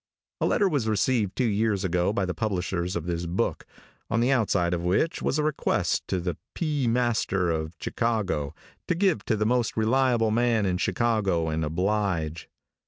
A letter was received two years ago by the publishers of this book, on the outside of which was the request to the "P. Master of Chicago to give to the most reliable man in Chicago and oblige."